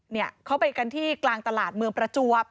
เนี่ยเขาไปกันที่กลางตลาดเมืองประจวบ